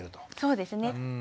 そうですね。